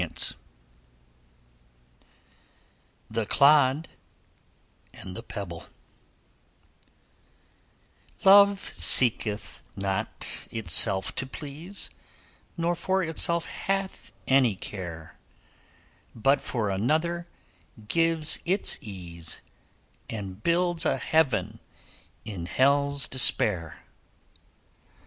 THE CLOD AND THE PEBBLE 'Love seeketh not itself to please, Nor for itself hath any care, But for another gives its ease, And builds a heaven in hell's despair.